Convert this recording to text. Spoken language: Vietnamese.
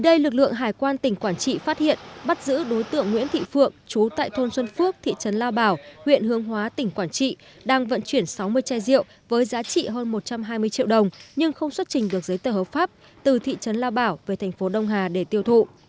đây lực lượng hải quan tỉnh quảng trị phát hiện bắt giữ đối tượng nguyễn thị phượng chú tại thôn xuân phước thị trấn lao bảo huyện hương hóa tỉnh quảng trị đang vận chuyển sáu mươi chai rượu với giá trị hơn một trăm hai mươi triệu đồng nhưng không xuất trình được giấy tờ hợp pháp từ thị trấn lao bảo về thành phố đông hà để tiêu thụ